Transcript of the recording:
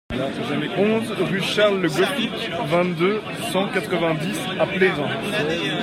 onze rue Charles Le Goffic, vingt-deux, cent quatre-vingt-dix à Plérin